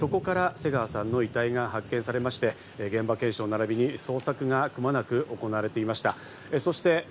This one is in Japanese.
そこから瀬川さんの遺体が発見されまして、現場検証並びに捜索がくまなく行われていました。